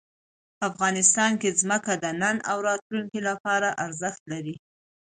افغانستان کې ځمکه د نن او راتلونکي لپاره ارزښت لري.